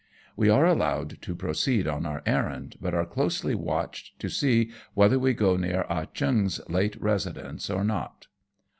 "We are allowed to proceed on our errand, but are closely watched to see whether we go near Ah Cheong's late residence or not.